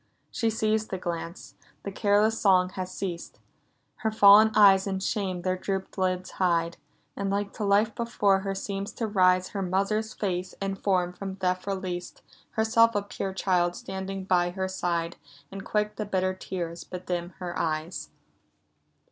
— She sees the glance; — the careless song has ceased; Her fallen eyes in shame their drooped lids hide: And like to life before her seems to rise Her mother's face and form from death released, — Herself a pure child standing by her side, — And quick the bitter tears bedim her eyes!